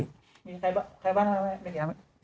มีใครบ้าง